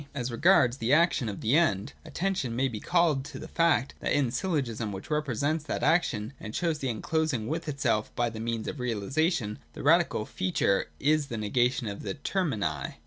As regards the action of the End, attention may be called to the fact, that in the syllogism, which represents 346 THE DOCTRINE OF THE NOTION. [204, 205. that action, and shows the end closing with itself by the means of realisation, the radical feature is the negation of the termini.